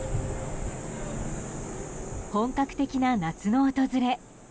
本格的な夏の訪れ。